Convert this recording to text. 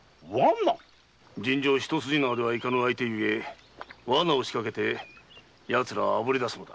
尋常・一筋縄ではいかぬ相手ゆえ罠を仕掛けてあぶり出すのだ。